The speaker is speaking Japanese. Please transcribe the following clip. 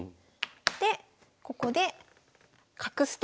でここで角捨て。